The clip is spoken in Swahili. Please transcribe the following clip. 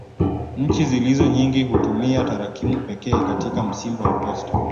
Nchi zilizo nyingi hutumia tarakimu pekee katika msimbo wa posta.